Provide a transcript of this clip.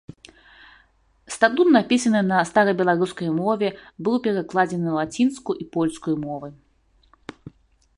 Статут напісаны на старабеларускай мове, быў перакладзены на лацінскую і польскую мовы.